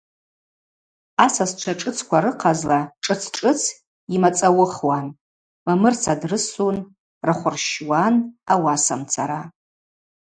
Асасчва шӏыцква рыхъазла шӏыц-шӏыц ймацӏауыхуан: мамырса дрысун, рахв рщуан, ауасамцара.